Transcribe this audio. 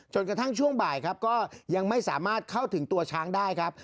กระทั่งช่วงบ่ายครับก็ยังไม่สามารถเข้าถึงตัวช้างได้ครับ